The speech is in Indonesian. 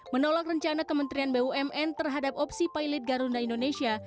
menolak rencana kementerian bumn terhadap opsi pilot garuda indonesia